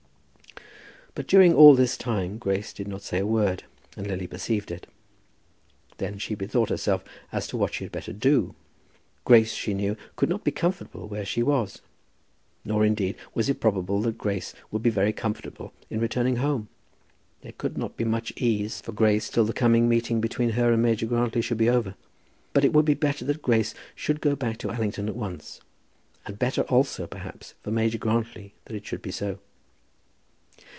But during all this time Grace did not say a word, and Lily perceived it. Then she bethought herself as to what she had better do. Grace, she knew, could not be comfortable where she was. Nor, indeed, was it probable that Grace would be very comfortable in returning home. There could not be much ease for Grace till the coming meeting between her and Major Grantly should be over. But it would be better that Grace should go back to Allington at once; and better also, perhaps, for Major Grantly that it should be so.